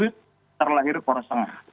terlahir poros setengah